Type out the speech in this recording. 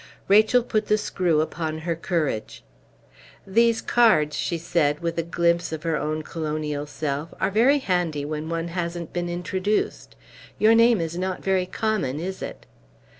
Rachel put the screw upon her courage. "These cards," she said, with a glimpse of her own colonial self, "are very handy when one hasn't been introduced. Your name is not very common, is it?"